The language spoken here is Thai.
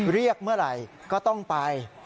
เรียกเมื่อไหร่ก็ต้องไป